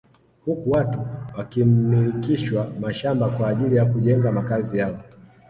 Huku watu wakimilikishwa mashamba kwa ajili ya kujenga makazi yao